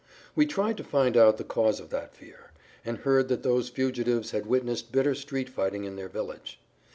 We tried to find out the cause of that fear, and heard that those fugitives had witnessed bitter street fighting in their village.